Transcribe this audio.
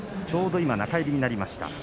ちょうど今、中入りになりました。